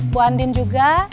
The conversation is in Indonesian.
bu andin juga